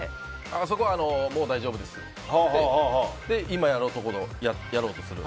そこはもう大丈夫ですって今やるところをやろうとする。